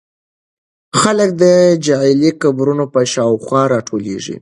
خلک د جعلي قبرونو په شاوخوا راټولېږي.